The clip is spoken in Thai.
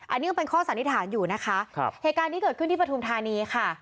อันนี้ก็เป็นข้อสันนิษฐานอยู่นะคะครับเหตุการณ์นี้เกิดขึ้นที่ปฐุมธานีค่ะ